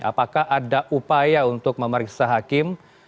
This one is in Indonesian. apakah ada upaya untuk memeriksa hakim